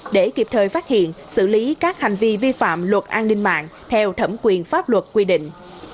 để kịp thời phát hiện xử lý các hành vi vi phạm luật an ninh mạng theo thẩm quyền pháp luật quy định